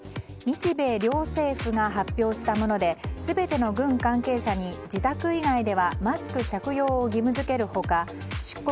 日米両政府が発表したもので全ての軍関係者に自宅以外ではマスク着用を義務付ける他出